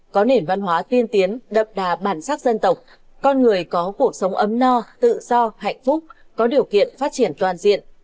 có nền văn hóa tiên tiến đậm đà bản sắc dân tộc con người có cuộc sống ấm no tự do hạnh phúc có điều kiện phát triển toàn diện